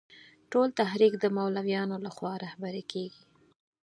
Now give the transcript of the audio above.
ټول تحریک د مولویانو له خوا رهبري کېده.